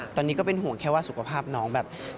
ตอนนี้ก็เป็นห่วงแค่ว่าสุขภาพน้องแบบ